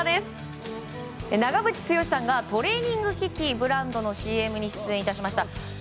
長渕剛さんがトレーニング機器ブランドのＣＭに出演致しました。